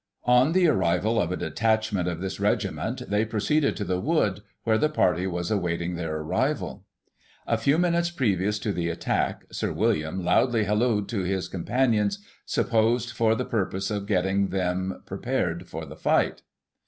On the arrival of a detachment of this regiment, they proceeded to the wood, where the party was awaiting their arrival. " A few minutes previous to the attack. Sir William loudly halloed to his companions, supposed for the purpose of getting them prepared for the fight.